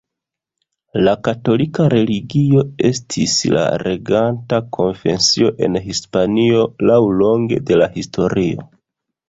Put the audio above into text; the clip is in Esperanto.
La katolika religio estis la reganta konfesio en Hispanio laŭlonge de la historio.